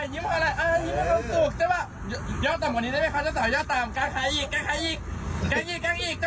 ยิ้มให้เข้าสุข